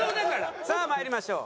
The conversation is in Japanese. さあまいりましょう。